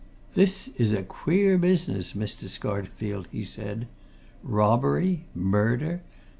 "This is a queer business, Mr. Scarterfield," he said. "Robbery? Murder?